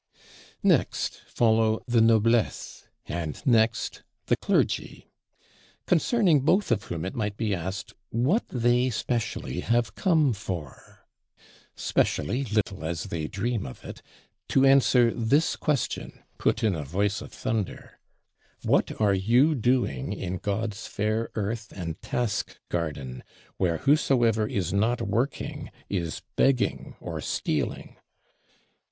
Next follow the Noblesse, and next the Clergy; concerning both of whom it might be asked What they specially have come for. Specially, little as they dream of it, to answer this question, put in a voice of thunder: What are you doing in God's fair Earth and Task garden; where whosoever is not working is begging or stealing?